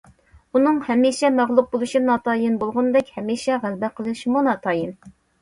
ئۇنىڭ ھەمىشە مەغلۇپ بولۇشى ناتايىن بولغىنىدەك، ھەمىشە غەلىبە قىلىشىمۇ ناتايىن.